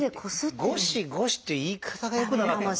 ゴシゴシという言い方がよくなかったんですね。